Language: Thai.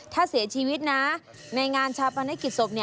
ถ้าเสียชีวิตนะในงานชาปนกิจศพ